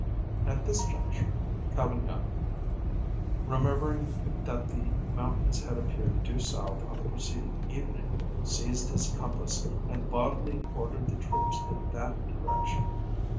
At this juncture, Cavaignac, remembering that the mountains had appeared due south on the preceding evening, seized his compass, and boldly ordered the troops in that direction.